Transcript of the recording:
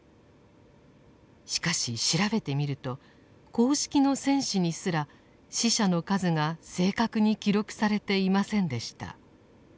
しかし調べてみると公式の戦史にすら死者の数が正確に記録されていませんでした。